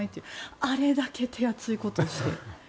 あれだけ手厚いことをして。